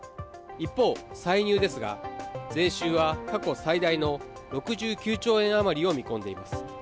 一方、歳入ですが、税収は過去最大の６９兆円余りを見込んでいます。